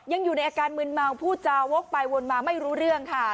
ยังอยู่ในอาการมืนเมาพูดจาวกไปวนมาไม่รู้เรื่องค่ะ